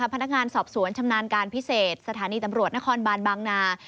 พนักงานสอบสวนชำนาญการพิเศษสถานีตำรวจนครบานบางนา